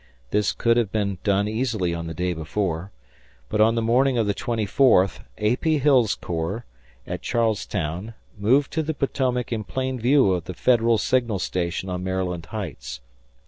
This could have been done easily on the day before. But on the morning of the twenty fourth, A. P. Hill's corps, at Charles Town, moved to the Potomac in plain view of the Federal signal station on Maryland Heights.